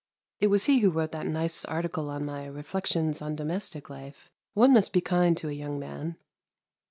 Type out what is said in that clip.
It was he who wrote that nice article on my " Reflections on Domestic Life." One must be kind to a young man.'